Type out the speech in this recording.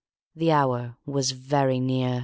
The hour was very near.